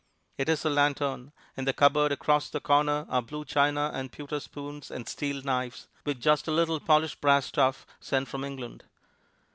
It is a lanthorn. In the cupboard across the corner are blue china and pewter spoons and steel knives, with just a little polished brass stuff sent from England.